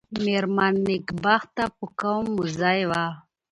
مېرمن نېکبخته په قوم مموزۍ وه.